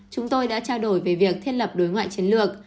chúng tôi đã trao đổi về việc thiết lập đối ngoại chiến lược